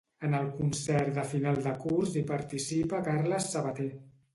En el concert de final de curs hi participa Carles Sabater.